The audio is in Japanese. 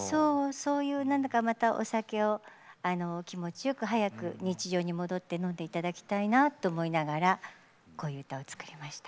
そういう、お酒を気持ちよく早く日常に戻って飲んでいただきたいなと思いながらこういう歌を作りました。